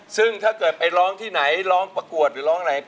ซึ่งถ้าเกิดไปร้องที่ไหนร้องประกวดหรือร้องไหน